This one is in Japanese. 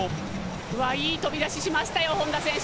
うわ、いい飛び出ししましたよ、本多選手。